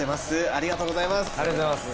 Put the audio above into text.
ありがとうございます。